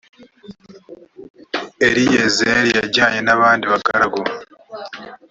eliyezeri yajyanye n abandi bagaragu